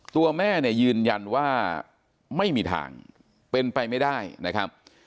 ตัวแม่เนี่ยยืนยันว่าไม่มีทางเป็นไปไม่ได้นะครับ